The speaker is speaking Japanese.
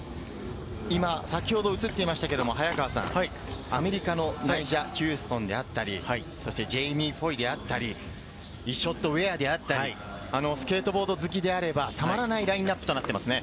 今先ほど映っていましたが、アメリカのナイジャ・ヒューストンだったり、ジェイミー・フォイであったり、イショッド・ウェアであったり、スケートボード好きであれば、たまらないラインナップとなってますね。